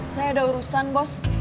saya ada urusan bos